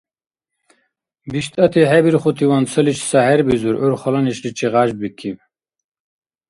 БиштӀати, хӀебирхутиван, цаличи ца хӀербизур, гӀур хала нешличи гъяжбикиб.